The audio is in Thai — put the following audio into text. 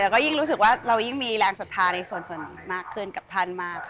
ก็ยิ่งรู้สึกว่าเรายิ่งมีแรงศรัทธาในส่วนนี้มากขึ้นกับท่านมาก